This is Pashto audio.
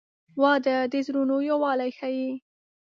• واده د زړونو یووالی ښیي.